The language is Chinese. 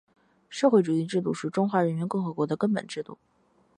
社会主义制度是中华人民共和国的根本制度